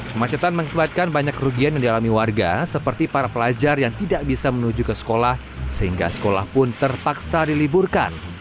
kemacetan mengibatkan banyak kerugian yang dialami warga seperti para pelajar yang tidak bisa menuju ke sekolah sehingga sekolah pun terpaksa diliburkan